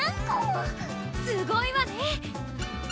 すごいわね！